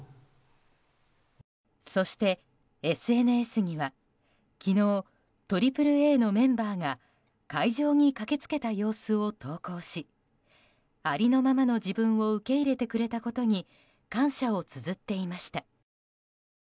そしてＳＮＳには昨日、ＡＡＡのメンバーが会場に駆けつけた様子を投稿しありのままの自分を受け入れてくれたことに感謝をつづっていました。